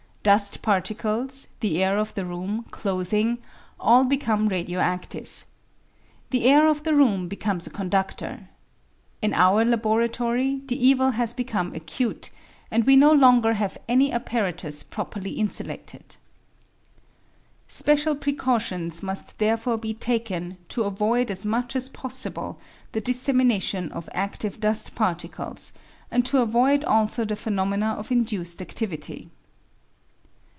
Dust particles, the air of the room, clothing, all become radio active. The air of the room becomes a condudor. In our laboratory the evil has become acute, and we no longer have any apparatus properly insulated. Special precautions must therefore be taken to avoid as much as possible the dissemination of adive dust particles, and to avoid also the phenomena of induced adivity.